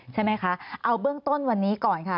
ใช่ไหมคะเอาเบื้องต้นวันนี้ก่อนค่ะ